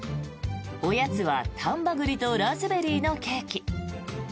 おやつは丹波栗とラズベリーのケーキ。